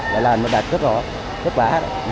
là đạt kết quả kết quả